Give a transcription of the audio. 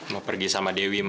mau pergi sama dewi